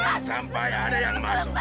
jangan sampai ada yang masuk